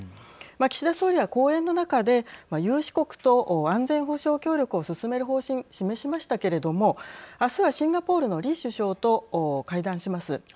岸田総理は講演の中で有志国と安全保障協力を進める方針、示しましたけれどもあすはシンガポールのリー首相と会談します。